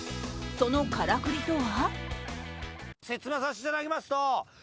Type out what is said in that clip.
そのからくりとは？